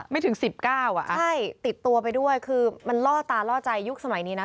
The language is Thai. ถึง๑๙อ่ะใช่ติดตัวไปด้วยคือมันล่อตาล่อใจยุคสมัยนี้นะ